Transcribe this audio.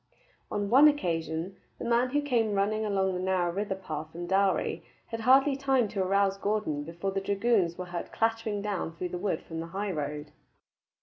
On one occasion, the man who came running along the narrow river path from Dalry had hardly time to arouse Gordon before the dragoons were heard clattering down through the wood from the high road.